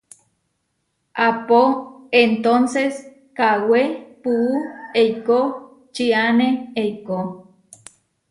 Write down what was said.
Aá, pó entónses kawé puú eikó, čiáne eikó.